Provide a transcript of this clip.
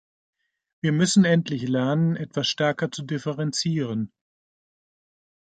Wir müssen endlich lernen, etwas stärker zu differenzieren.